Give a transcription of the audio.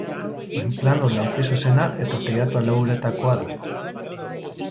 Oinplano laukizuzena eta teilatua lau uretakoa du.